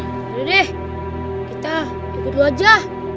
yaudah deh kita ikut lu aja